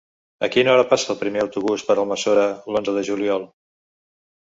A quina hora passa el primer autobús per Almassora l'onze de juliol?